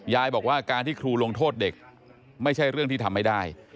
บอกว่าการที่ครูลงโทษเด็กไม่ใช่เรื่องที่ทำไม่ได้